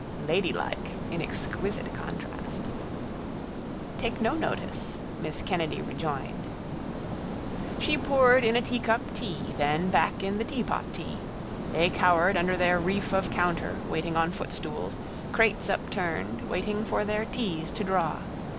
Ladylike in exquisite contrast. —Take no notice, miss Kennedy rejoined. She poured in a teacup tea, then back in the teapot tea. They cowered under their reef of counter, waiting on footstools, crates upturned, waiting for their teas to draw.